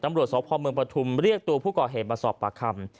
ตำรวจสพเมืองปฐุมเรียกตัวผู้ก่อเหตุมาสอบปากคำ